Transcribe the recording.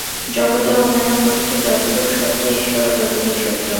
জগতের অন্যান্য বস্তু যতদূর সত্য, ঈশ্বরও ততদূর সত্য।